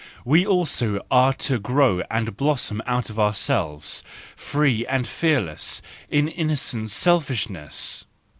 We also are to grow and blossom out of ourselves, free and fearless, in innocent selfishness!